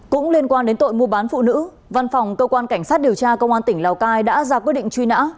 cũng liên quan đến tội mua bán phụ nữ văn phòng công an tỉnh lào cai đã ra quyết định truy nã